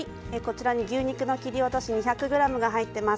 牛肉の切り落とし２００ｇ入っています。